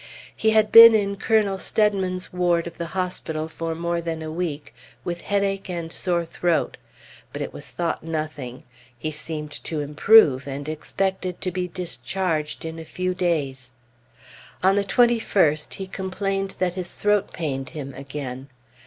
He had been in Colonel Steadman's ward of the hospital for more than a week, with headache and sore throat, but it was thought nothing; he seemed to improve, and expected to be discharged in a few days. On the 21st he complained that his throat pained him again.